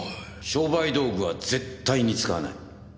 商売道具は絶対に使わない。